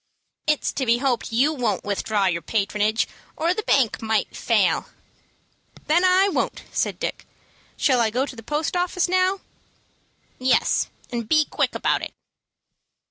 "It's to be hoped you won't withdraw your patronage, or the bank might fail." "Then I won't," said Dick. "Shall I go to the post office now?" "Yes, and be quick about it."